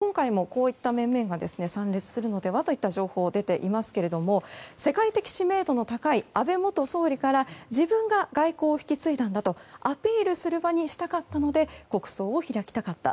今回も、こういった面々が参列するのではといった情報が出ていますけれども世界的知名度の高い安倍元総理から自分が外交を引き継いだんだとアピールする場にしたかったので国葬を開きたかった。